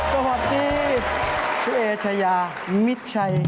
กะหอดที่ทุเฮชัยามิชัย